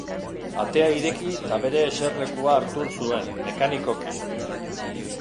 Atea ireki eta bere eserlekua hartu zuen, mekanikoki.